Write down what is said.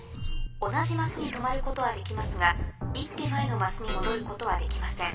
同じマスに止まることはできますが１手前のマスに戻ることはできません。